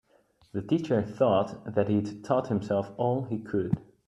The teacher thought that he'd taught himself all he could.